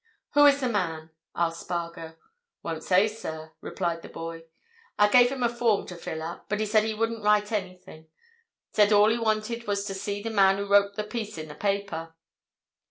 "Who is the man?" asked Spargo. "Won't say, sir," replied the boy. "I gave him a form to fill up, but he said he wouldn't write anything—said all he wanted was to see the man who wrote the piece in the paper."